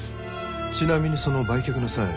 ちなみにその売却の際